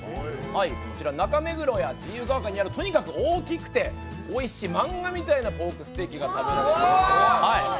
こちら中目黒や自由が丘にあるとにかくおいしくて、おいしい漫画みたいなポークステーキが食べられる。